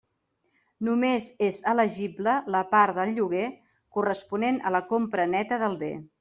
Només és elegible la part del lloguer corresponent a la compra neta del bé.